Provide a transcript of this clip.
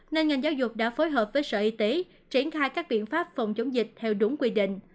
nên ngành giáo dục đã phối hợp với sở y tế triển khai các biện pháp phòng chống dịch theo đúng quy định